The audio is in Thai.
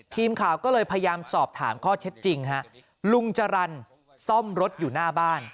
ตอบถามข้อเช็ดจริงฮะลุงจรรย์ซ่อมรถอยู่หน้าบ้าน